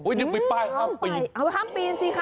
เอ้อห้ามไปป้ายห้ามปีนสิคะ